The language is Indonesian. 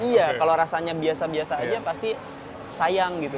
iya kalau rasanya biasa biasa aja pasti sayang gitu